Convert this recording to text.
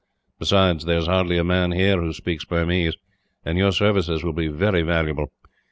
Besides, there is hardly a man here who speaks Burmese, and your services will be very valuable.